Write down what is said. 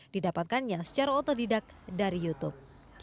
didapatkannya secara otodidak dari youtube